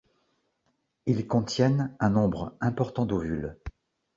Ils contiennent un nombre important d’ovules.